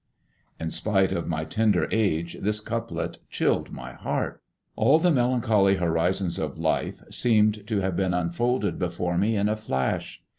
In spite of my tender age this couplet chilled my heart. All the melancholy horizons of life seemed to have been unfolded before me in a flash.